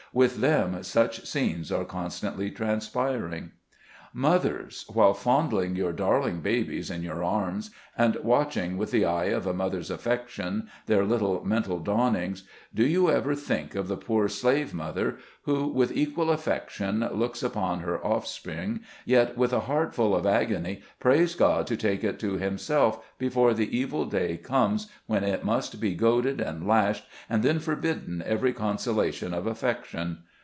With them, such scenes are constantly transpiring. Mothers ! while fondling your darling babes in your arms, and watching, with the eye of a mother's affection, their little mental dawnings, do you ever think of the poor slave mother, who, with equal affection, looks upon her offspring, yet, with a heart full of agony, prays God to take it to himself, before the evil day comes, when it must be goaded and lashed, and then forbidden every consolation of affection